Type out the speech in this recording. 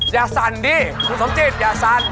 สั่นดิคุณสมจิตอย่าสั่น